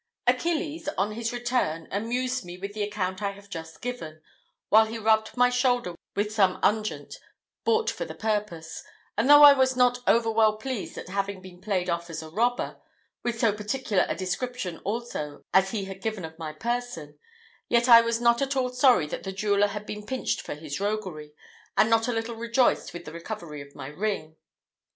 Achilles, on his return, amused me with the account I have just given, while he rubbed my shoulder with some unguent, bought for the purpose; and, though I was not over well pleased at having been played off as a robber, with so particular a description also as he had given of my person, yet I was not at all sorry that the jeweller had been pinched for his roguery, and not a little rejoiced with the recovery of my ring.